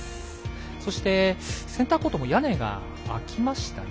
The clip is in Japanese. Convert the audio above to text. そして、センターコートも屋根が開きましたね。